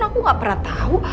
aku gak pernah tau